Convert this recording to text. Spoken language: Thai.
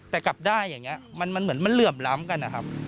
แต่กลับได้อย่างนี้มันเหมือนมันเหลื่อมล้ำกันนะครับ